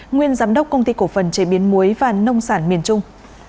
nguyên giám đốc công ty cổ phần chế biến muối và nông sản miền trung